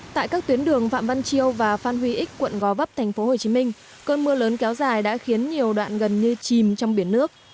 tại các tuyến đường phạm văn chiêu và phan huy x quận gò vấp thành phố hồ chí minh cơn mưa lớn kéo dài đã khiến nhiều đoạn gần như chìm trong biển nước